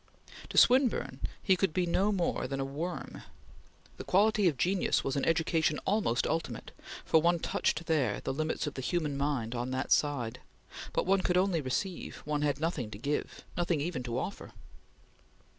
To Swinburne he could be no more than a worm. The quality of genius was an education almost ultimate, for one touched there the limits of the human mind on that side; but one could only receive; one had nothing to give nothing even to offer.